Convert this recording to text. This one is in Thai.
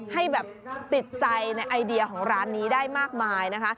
ให้แบบติดใจในไอเดียของร้านนี้ได้มากมายนะคะ